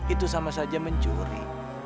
itu sama saja mencuri